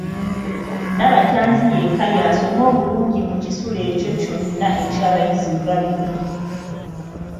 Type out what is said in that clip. Nabatanzi yekka y'asoma obulungi mu kisulo ekyo kyonna eky’abayizi nga bibiri.